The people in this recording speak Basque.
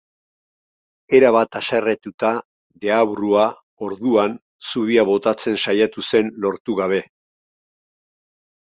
Erabat haserretuta, deabrua, orduan, zubia botatzen saiatu zen, lortu gabe.